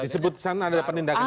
disebutkan ada penindakan